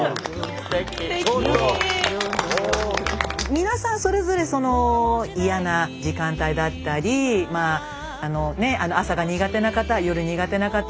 皆さんそれぞれ嫌な時間帯だったり朝が苦手な方夜苦手な方